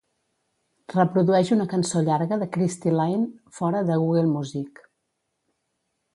Reprodueix una cançó llarga de Cristy Lane fora de Google Music.